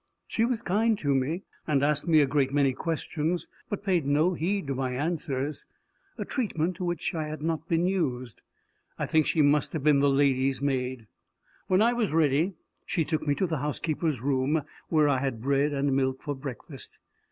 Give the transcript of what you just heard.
She was kind to me, and asked me a great many questions, but paid no heed to my answers a treatment to which I had not been used: I think she must have been the lady's maid. When I was ready, she took me to the housekeeper's room, where I had bread and milk for breakfast.